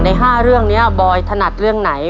๕เรื่องนี้บอยถนัดเรื่องไหน